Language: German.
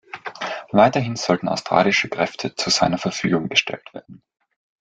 Weiterhin sollten australische Kräfte zu seiner Verfügung gestellt werden.